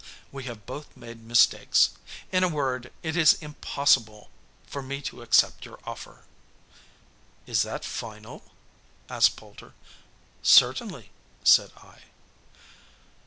We have both made mistakes. In a word, it is impossible for me to accept your offer!" "Is that final?" asked Poulter. "Certainly," said I.